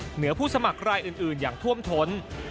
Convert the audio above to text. เหนือผู้สมัครรายอื่นอย่างท่วมท้น